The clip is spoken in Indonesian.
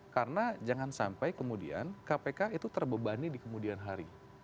karena jangan sampai kemudian kpk itu terbebani di kemudian hari